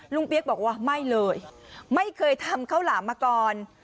เปี๊ยกบอกว่าไม่เลยไม่เคยทำข้าวหลามมาก่อน